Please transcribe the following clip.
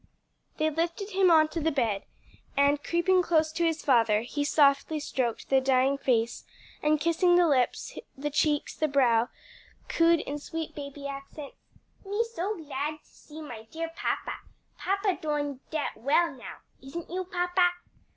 They lifted him on to the bed, and creeping close to his father, he softly stroked the dying face, and kissing the lips, the cheeks, the brow, cooed in sweet baby accents, "Me so glad to see my dear papa. Papa doin' det well now. Isn't you, papa?"